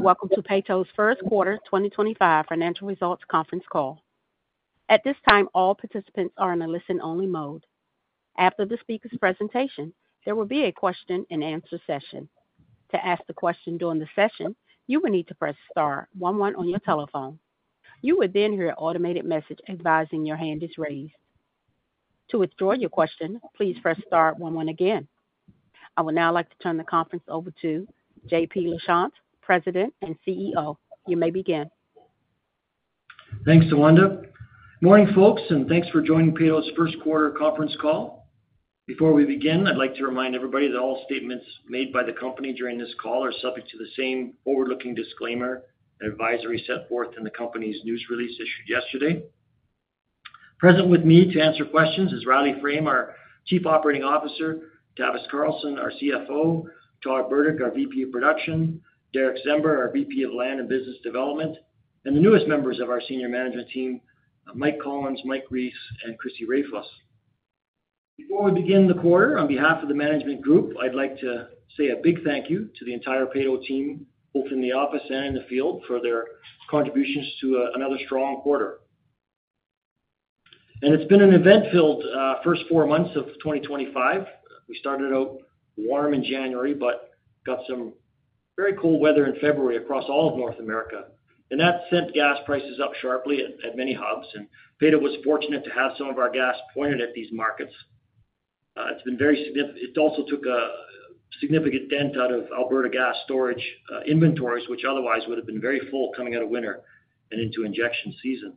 Welcome to Peyto's First Quarter 2025 Financial Results Conference Call. At this time, all participants are in a listen-only mode. After the speaker's presentation, there will be a question-and-answer session. To ask a question during the session, you will need to press star one one on your telephone. You will then hear an automated message advising your hand is raised. To withdraw your question, please press star one one again. I would now like to turn the conference over to JP Lachance, President and CEO. You may begin. Thanks, Yolanda. Good morning, folks, and thanks for joining Peyto's First Quarter Conference Call. Before we begin, I'd like to remind everybody that all statements made by the company during this call are subject to the same forward-looking disclaimer and advisory set forth in the company's news release issued yesterday. Present with me to answer questions is Riley Frame, our Chief Operating Officer; Tavis Carlson, our CFO; Todd Burdick, our VP of Production; Derek Sember, our VP of Land and Business Development; and the newest members of our senior management team, Mike Collins, Mike Rees, and Chrissy Raffas. Before we begin the quarter, on behalf of the management group, I'd like to say a big thank you to the entire Peyto team, both in the office and in the field, for their contributions to another strong quarter. It has been an event-filled first four months of 2025. We started out warm in January, but got some very cold weather in February across all of North America. That sent gas prices up sharply at many hubs, and Peyto was fortunate to have some of our gas pointed at these markets. It's been very significant. It also took a significant dent out of Alberta gas storage inventories, which otherwise would have been very full coming out of winter and into injection season.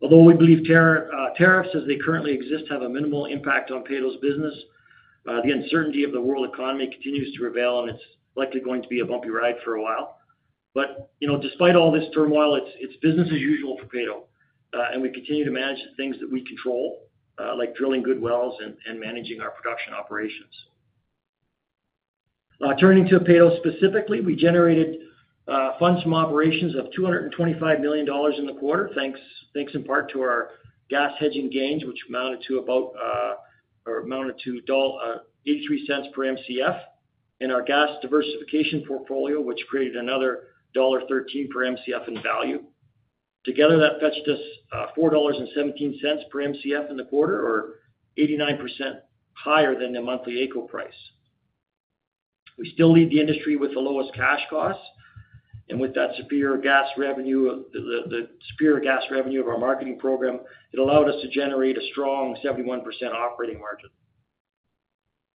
Although we believe tariffs, as they currently exist, have a minimal impact on Peyto's business, the uncertainty of the world economy continues to prevail, and it's likely going to be a bumpy ride for a while. Despite all this turmoil, it's business as usual for Peyto, and we continue to manage the things that we control, like drilling good wells and managing our production operations. Turning to Peyto specifically, we generated funds from operations of 225 million dollars in the quarter, thanks in part to our gas hedging gains, which amounted to about or amounted to 0.83 per MCF, and our gas diversification portfolio, which created another dollar 1.13 per MCF in value. Together, that fetched us 4.17 dollars per MCF in the quarter, or 89% higher than the monthly AECO price. We still lead the industry with the lowest cash costs, and with that superior gas revenue, the superior gas revenue of our marketing program, it allowed us to generate a strong 71% operating margin.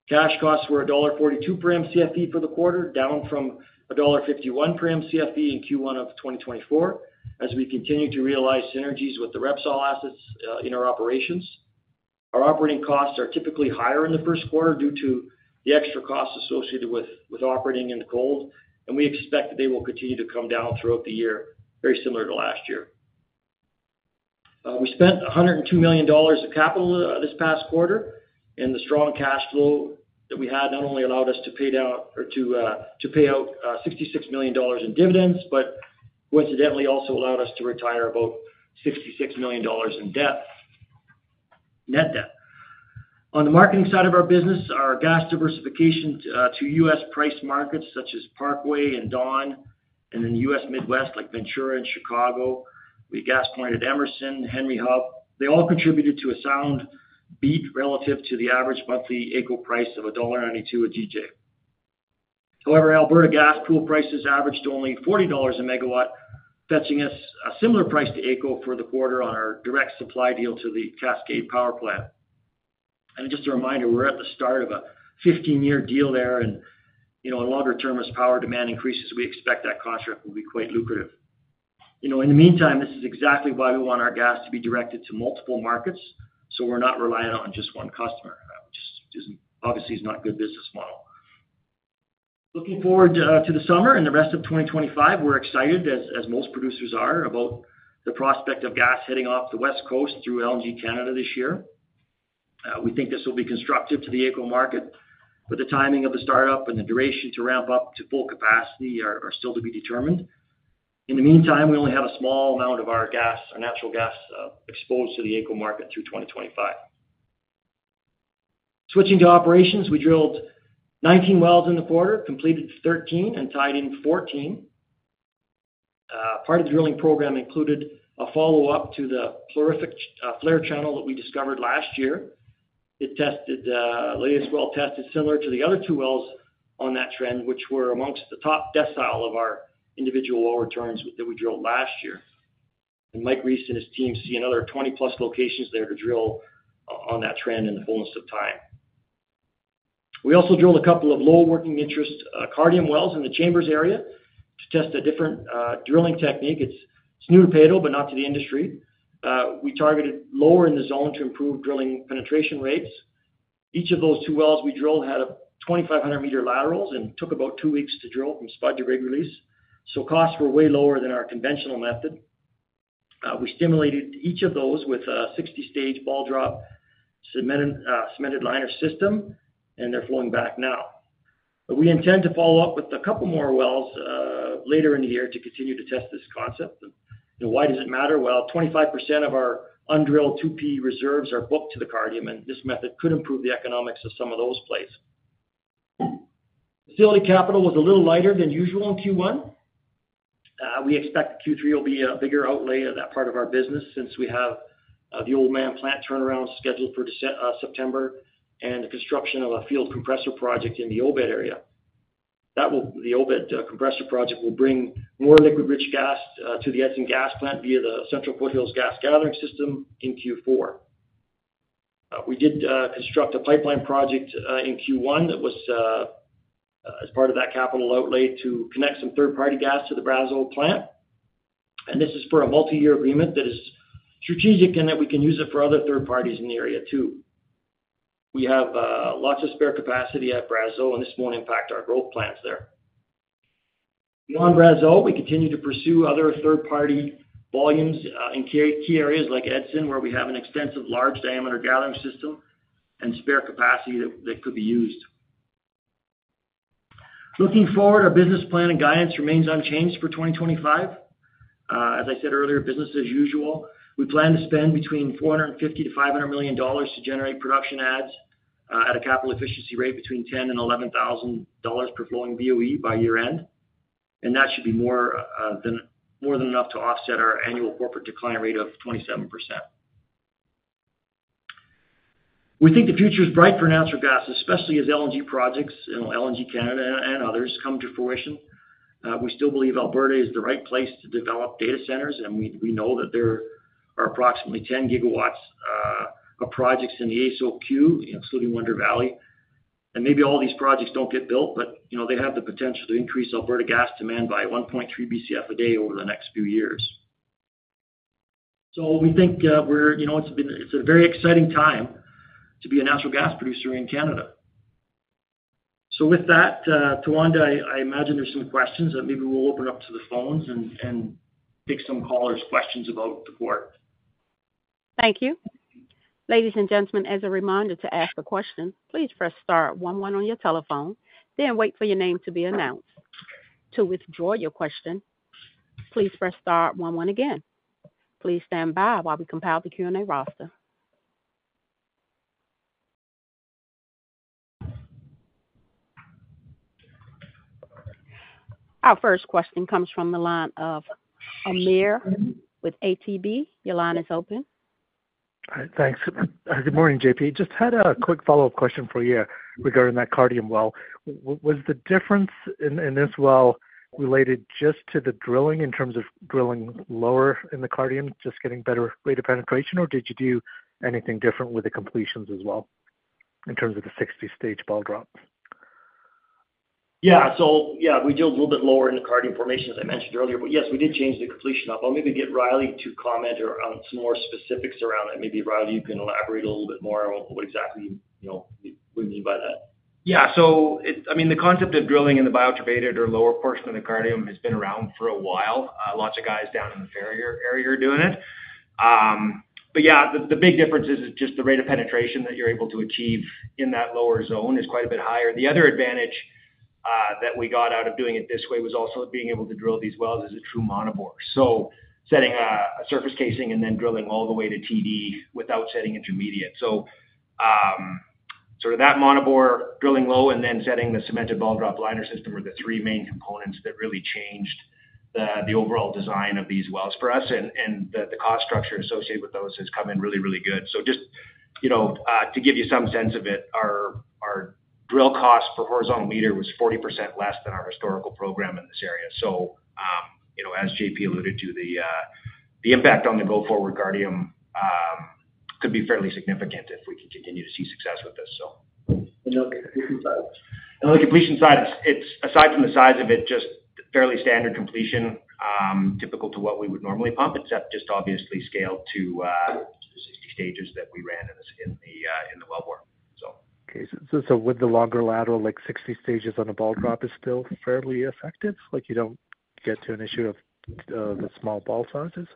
Cash costs were dollar 1.42 per MCFE for the quarter, down from dollar 1.51 per MCFE in Q1 of 2024, as we continue to realize synergies with the Repsol assets in our operations. Our operating costs are typically higher in the first quarter due to the extra costs associated with operating in the cold, and we expect that they will continue to come down throughout the year, very similar to last year. We spent 102 million dollars of capital this past quarter, and the strong cash flow that we had not only allowed us to pay out 66 million dollars in dividends, but coincidentally also allowed us to retire about 66 million dollars in debt, net debt. On the marketing side of our business, our gas diversification to U.S. price markets such as Parkway and Dawn, and then U.S. Midwest like Ventura and Chicago. We gas pointed Emerson, Henry Hub. They all contributed to a sound beat relative to the average monthly AECO price of CAD 1.92 a GJ. However, Alberta gas pool prices averaged only 40 dollars a MW, fetching us a similar price to AECO for the quarter on our direct supply deal to the Cascade Power Plant. Just a reminder, we're at the start of a 15-year deal there, and in the longer term, as power demand increases, we expect that contract will be quite lucrative. In the meantime, this is exactly why we want our gas to be directed to multiple markets, so we're not reliant on just one customer, which obviously is not a good business model. Looking forward to the summer and the rest of 2025, we're excited, as most producers are, about the prospect of gas heading off the West Coast through LNG Canada this year. We think this will be constructive to the AECO market, but the timing of the startup and the duration to ramp up to full capacity are still to be determined. In the meantime, we only have a small amount of our natural gas exposed to the AECO market through 2025. Switching to operations, we drilled 19 wells in the quarter, completed 13, and tied in 14. Part of the drilling program included a follow-up to the Flurrific Flare Channel that we discovered last year. It tested, the latest well tested similar to the other two wells on that trend, which were amongst the top decile of our individual lower turns that we drilled last year. Mike Reese and his team see another 20-plus locations there to drill on that trend in the fullness of time. We also drilled a couple of low working interest Cardium wells in the Chambers area to test a different drilling technique. It's new to Peyto, but not to the industry. We targeted lower in the zone to improve drilling penetration rates. Each of those two wells we drilled had a 2,500 m lateral and took about two weeks to drill from spud to rig release, so costs were way lower than our conventional method. We stimulated each of those with a 60-stage ball drop cemented liner system, and they're flowing back now. We intend to follow up with a couple more wells later in the year to continue to test this concept. Why does it matter? 25% of our undrilled 2P reserves are booked to the Cardium, and this method could improve the economics of some of those places. Facility capital was a little lighter than usual in Q1. We expect Q3 will be a bigger outlay of that part of our business since we have the Oldman plant turnaround scheduled for September and the construction of a field compressor project in the OBED area. That will, the OBED compressor project will bring more liquid-rich gas to the Edson gas plant via the Central Foothills Gas Gathering System in Q4. We did construct a pipeline project in Q1 that was as part of that capital outlay to connect some third-party gas to the Brazeau plant. This is for a multi-year agreement that is strategic in that we can use it for other third parties in the area too. We have lots of spare capacity at Brazeau, and this will not impact our growth plans there. Beyond Brazil, we continue to pursue other third-party volumes in key areas like Edson, where we have an extensive large diameter gathering system and spare capacity that could be used. Looking forward, our business plan and guidance remains unchanged for 2025. As I said earlier, business as usual. We plan to spend between 450 million and 500 million dollars to generate production adds at a capital efficiency rate between 10,000 and 11,000 dollars per flowing BOE by year-end, and that should be more than enough to offset our annual corporate decline rate of 27%. We think the future is bright for natural gas, especially as LNG projects, LNG Canada and others, come to fruition. We still believe Alberta is the right place to develop data centers, and we know that there are approximately 10 gigawatts of projects in the ASOQ, including Wonder Valley. Maybe all these projects do not get built, but they have the potential to increase Alberta gas demand by 1.3 BCF a day over the next few years. We think it is a very exciting time to be a natural gas producer in Canada. With that, Tawanda, I imagine there are some questions that we will open up to the phones and take some callers' questions about the quarter. Thank you. Ladies and gentlemen, as a reminder to ask a question, please press star one one on your telephone, then wait for your name to be announced. To withdraw your question, please press star onw one again. Please stand by while we compile the Q&A roster. Our first question comes from the line of Amir with ATB. Your line is open. All right. Thanks. Good morning, JP. Just had a quick follow-up question for you regarding that Cardium well. Was the difference in this well related just to the drilling in terms of drilling lower in the Cardium just getting better rate of penetration, or did you do anything different with the completions as well in terms of the 60-stage ball drop? Yeah. So yeah, we drilled a little bit lower in the Cardium formation, as I mentioned earlier, but yes, we did change the completion up. I'll maybe get Riley to comment on some more specifics around that. Maybe Riley, you can elaborate a little bit more on what exactly we mean by that. Yeah. So I mean, the concept of drilling in the bioturbated or lower portion of the Cardium has been around for a while. Lots of guys down in the Ferrier area are doing it. Yeah, the big difference is just the rate of penetration that you're able to achieve in that lower zone is quite a bit higher. The other advantage that we got out of doing it this way was also being able to drill these wells as a true monobore, so setting a surface casing and then drilling all the way to TD without setting intermediate. Sort of that monobore, drilling low, and then setting the cemented ball drop liner system were the three main components that really changed the overall design of these wells for us, and the cost structure associated with those has come in really, really good. Just to give you some sense of it, our drill cost per horizontal meter was 40% less than our historical program in this area. As JP alluded to, the impact on the go-forward Cardium could be fairly significant if we can continue to see success with this. On the completion side, aside from the size of it, just fairly standard completion, typical to what we would normally pump, except just obviously scaled to the 60 stages that we ran in the wellbore. Okay. With the longer lateral, like 60 stages on a ball drop, it's still fairly effective? You don't get to an issue of the small ball sizes?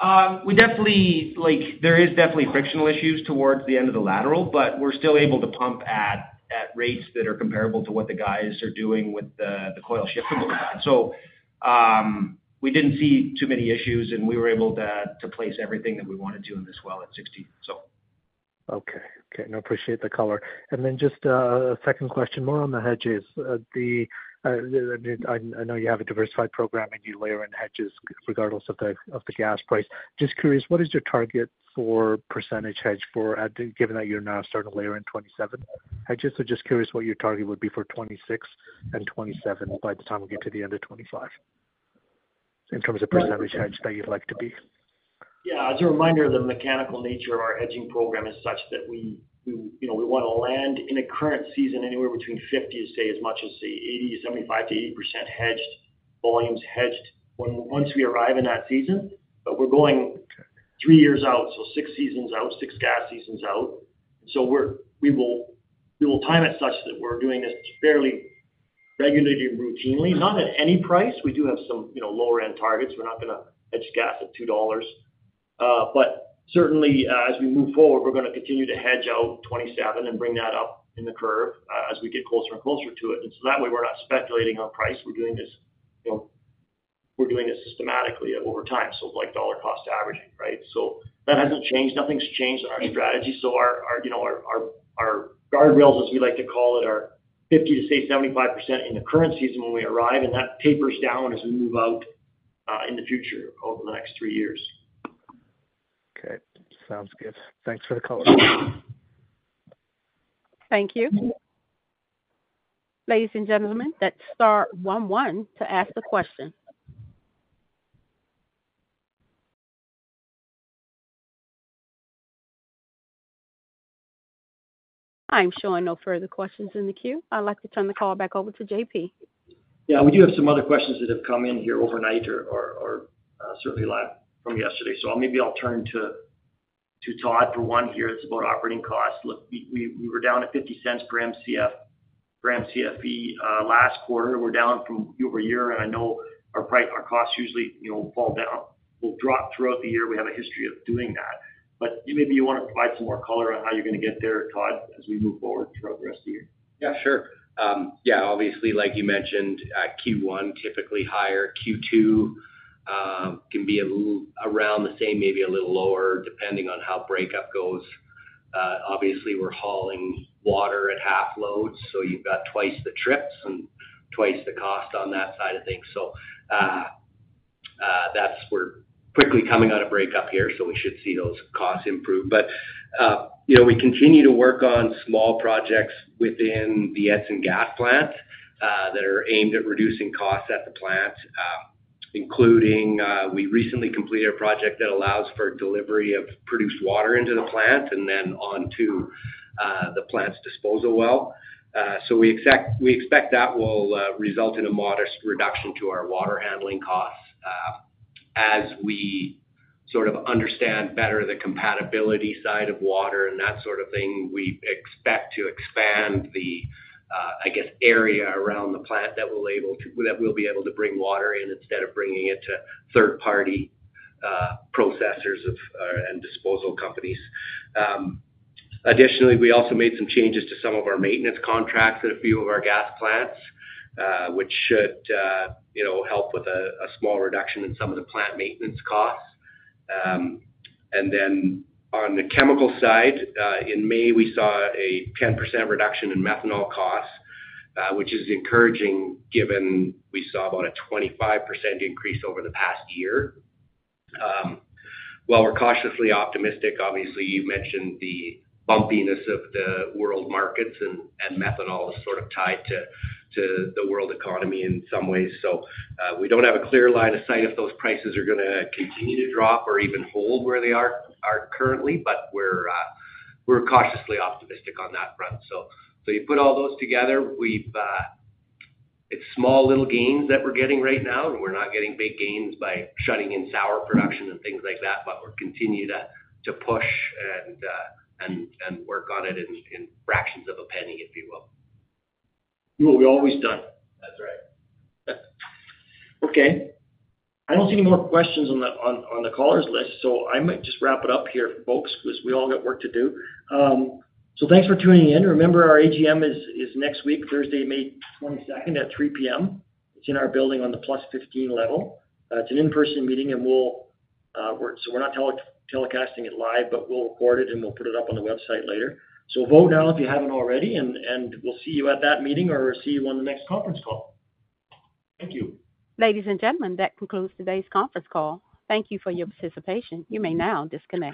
There is definitely frictional issues towards the end of the lateral, but we're still able to pump at rates that are comparable to what the guys are doing with the coil shiftable. We did not see too many issues, and we were able to place everything that we wanted to in this well at 60. Okay. Okay. I appreciate the color. Just a second question, more on the hedges. I know you have a diversified program, and you layer in hedges regardless of the gas price. Just curious, what is your target for percentage hedge for, given that you're now starting to layer in 2027 hedges? Just curious what your target would be for 2026 and 2027 by the time we get to the end of 2025 in terms of percentage hedge that you'd like to be. Yeah. As a reminder, the mechanical nature of our hedging program is such that we want to land in a current season anywhere between 50% to, say, as much as 75%-80% hedged volumes hedged once we arrive in that season. We are going three years out, so six seasons out, six gas seasons out. We will time it such that we are doing this fairly regularly and routinely, not at any price. We do have some lower-end targets. We are not going to hedge gas at 2 dollars. Certainly, as we move forward, we are going to continue to hedge out 2027 and bring that up in the curve as we get closer and closer to it. That way, we are not speculating on price. We are doing this systematically over time, like dollar-cost averaging, right? That has not changed. Nothing has changed in our strategy. Our guardrails, as we like to call it, are 50-75% in the current season when we arrive, and that tapers down as we move out in the future over the next three years. Okay. Sounds good. Thanks for the color. Thank you. Ladies and gentlemen, that's star one one to ask the question. I'm showing no further questions in the queue. I'd like to turn the call back over to JP. Yeah. We do have some other questions that have come in here overnight or certainly from yesterday. Maybe I'll turn to Todd for one here. It's about operating costs. We were down at 0.50 per MCFE last quarter. We're down from over a year, and I know our costs usually will fall down. We'll drop throughout the year. We have a history of doing that. Maybe you want to provide some more color on how you're going to get there, Todd, as we move forward throughout the rest of the year. Yeah. Sure. Yeah. Obviously, like you mentioned, Q1 typically higher. Q2 can be around the same, maybe a little lower, depending on how breakup goes. Obviously, we're hauling water at half loads, so you've got twice the trips and twice the cost on that side of things. We're quickly coming out of breakup here, so we should see those costs improve. We continue to work on small projects within the Edson gas plant that are aimed at reducing costs at the plant, including we recently completed a project that allows for delivery of produced water into the plant and then onto the plant's disposal well. We expect that will result in a modest reduction to our water handling costs. As we sort of understand better the compatibility side of water and that sort of thing, we expect to expand the, I guess, area around the plant that we'll be able to bring water in instead of bringing it to third-party processors and disposal companies. Additionally, we also made some changes to some of our maintenance contracts at a few of our gas plants, which should help with a small reduction in some of the plant maintenance costs. On the chemical side, in May, we saw a 10% reduction in methanol costs, which is encouraging given we saw about a 25% increase over the past year. While we're cautiously optimistic, obviously, you mentioned the bumpiness of the world markets, and methanol is sort of tied to the world economy in some ways. We do not have a clear line of sight if those prices are going to continue to drop or even hold where they are currently, but we are cautiously optimistic on that front. You put all those together, it is small little gains that we are getting right now, and we are not getting big gains by shutting in sour production and things like that, but we will continue to push and work on it in fractions of a penny, if you will. We're always done. That's right. Okay. I do not see any more questions on the caller's list, so I might just wrap it up here for folks because we all got work to do. Thanks for tuning in. Remember, our AGM is next week, Thursday, May 22 at 3:00 P.M. It is in our building on the plus 15 level. It is an in-person meeting, and we are not telecasting it live, but we will record it and put it up on the website later. Vote now if you have not already, and we will see you at that meeting or see you on the next conference call. Thank you. Ladies and gentlemen, that concludes today's conference call. Thank you for your participation. You may now disconnect.